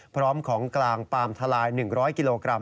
พร้อมของกลางปาล์มทลาย๑๐๐กิโลกรัม